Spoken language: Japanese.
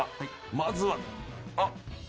まずは。